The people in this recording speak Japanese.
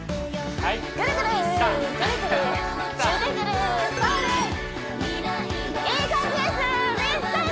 はい！